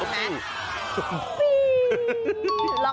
นะครับ